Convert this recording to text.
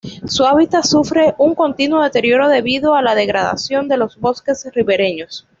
Su hábitat sufre un continuo deterioro debido a la degradación de los bosques ribereños.